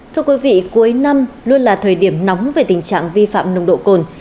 thưa quý vị cuối năm luôn là thời điểm nóng về tình trạng vi phạm nồng độ cồn